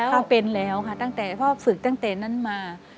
พ่อเป็นแล้วค่ะตั้งแต่พ่อฝึกตั้งแต่นั้นมา